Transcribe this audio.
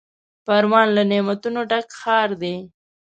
پروان له نعمتونو ډک ښار دی.